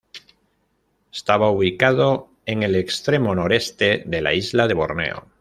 Estaba ubicado en el extremo noreste de la isla de Borneo.